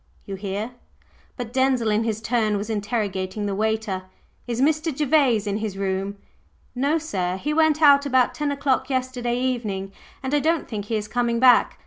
"You hear?" But Denzil in his turn was interrogating the waiter. "Is Mr. Gervase in his room?" "No, sir. He went out about ten o'clock yesterday evening, and I don't think he is coming back.